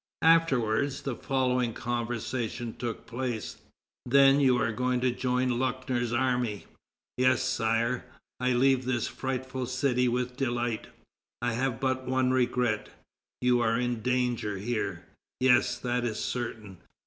Afterwards, the following conversation took place: "Then you are going to join Luckner's army?" "Yes, Sire, I leave this frightful city with delight; I have but one regret; you are in danger here." "Yes, that is certain."